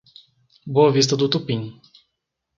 Boa Vista do Tupim